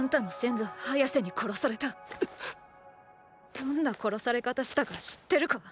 どんな殺され方したか知ってるか？